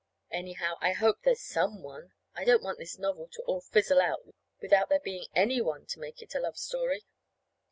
Anyhow, I hope there's some one. I don't want this novel to all fizzle out without there being any one to make it a love story!